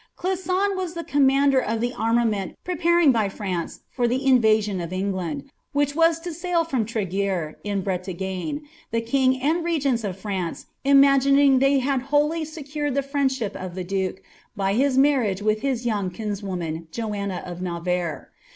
* Clisson was the commander of the armament preparing by France for the invasion of England, which was to sail from Treguer, in Bre tagne, the king and regents of France imagining that they had wholly ■ecured the friendship of the duke, by his marriage with their young kinswoman, Joanna of Navarre.